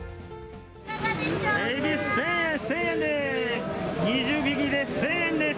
エビ１０００円、１０００円です。